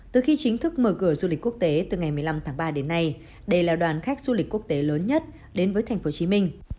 từ khi chính thức mở cửa du lịch quốc tế từ ngày một mươi năm tháng ba đến nay đây là đoàn khách du lịch quốc tế lớn nhất đến với tp hcm